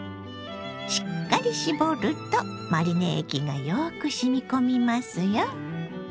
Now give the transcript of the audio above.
しっかり絞るとマリネ液がよくしみこみますよ。